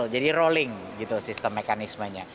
jadi rolling sistem mekanismenya